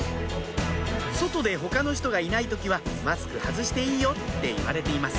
外で他のひとがいない時はマスク外していいよって言われています